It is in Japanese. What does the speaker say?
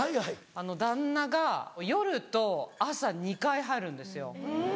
旦那が夜と朝２回入るんですよ。